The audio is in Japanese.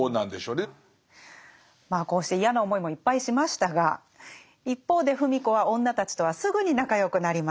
まあこうして嫌な思いもいっぱいしましたが一方で芙美子は女たちとはすぐに仲良くなりました。